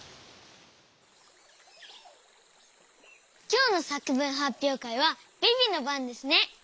きょうのさくぶんはっぴょうかいはビビのばんですね。